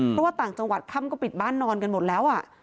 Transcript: เพราะว่าต่างจังหวัดค่ำก็ปิดบ้านนอนกันหมดแล้ว